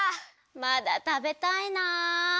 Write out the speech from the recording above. まだたべたいな。